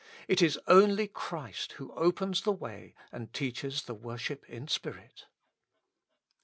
It is only Christ who opens the way and teaches the worship in spirit.